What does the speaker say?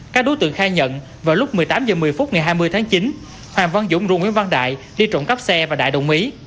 các đối tượng khai nhận vào lúc một mươi tám h một mươi phút ngày hai mươi tháng chín hoàng văn dũng rủ nguyễn văn đại đi trộm cắp xe và đại đồng ý